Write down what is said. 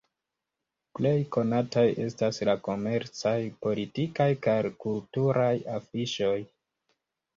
Plej konataj estas la komercaj, politikaj kaj kulturaj afiŝoj.